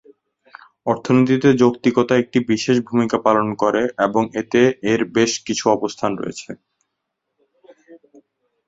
অর্থনীতিতে যৌক্তিকতা একটি বিশেষ ভূমিকা পালন করে এবং এতে এর বেশ কিছু অবস্থান রয়েছে।